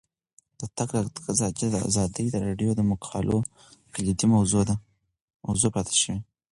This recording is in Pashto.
د تګ راتګ ازادي د ازادي راډیو د مقالو کلیدي موضوع پاتې شوی.